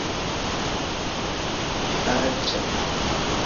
aĝa